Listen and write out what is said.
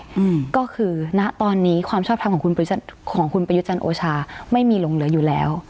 อืมก็คือณตอนนี้ความชอบทำของคุณปริยุจรรย์โอชายจริงจริงไม่มีลงเหลืออยู่แล้ว